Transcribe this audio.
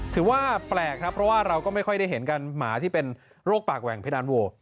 ถือว่าแปลกครับเพราะว่าเราก็ไม่ค่อยได้เห็นกันหมาที่เป็นโรคปากแหว่งเพดานโว